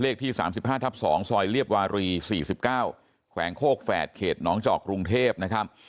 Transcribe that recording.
ที่๓๕ทับ๒ซอยเรียบวารี๔๙แขวงโคกแฝดเขตน้องจอกกรุงเทพนะครับ